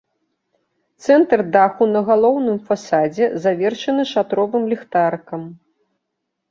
Цэнтр даху на галоўным фасадзе завершаны шатровым ліхтарыкам.